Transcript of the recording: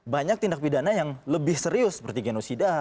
banyak tindak pidana yang lebih serius seperti genosida